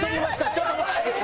ちょっと待って。